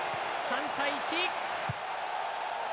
３対１。